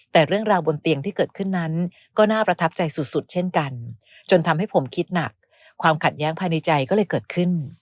แต่เรื่องราวบนเตียงที่เกิดขึ้นนั้นก็น่าประทับใจสุดเช่นกันจนทำให้ผมคิดหนักความขัดแย้งภายในใจก็เลยเกิดขึ้น